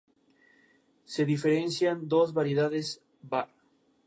Se diferencian dos variedades: "var.